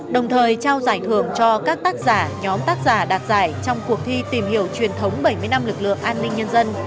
đồng thời trao giải thưởng cho các tác giả nhóm tác giả đạt giải trong cuộc thi tìm hiểu truyền thống bảy mươi năm lực lượng an ninh nhân dân